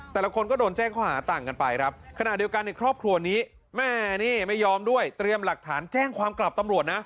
แต่ละคนก็โดนแจ้งข้อหาต่างกันไปครับขณะเดียวกันในครอบครัวนี้แม่นี่ไม่ยอมด้วยเตรียมหลักฐานแจ้งความกลับตำรวจนะ